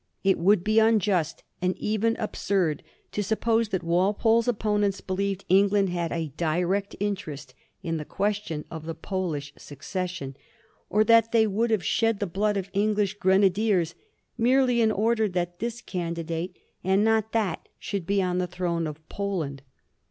It would be unjust and even absurd to suppose that Walpole's opponents believed England had a direct interest in the question of the Polish succession, or that they would have shed the blood of English grena diers merely in order that this candidate and not that should be on the throne of Poland.